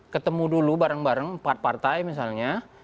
ketemu dulu bareng bareng empat partai misalnya